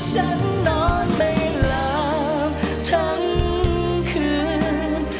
ฉันนอนไม่ลามทั้งคืน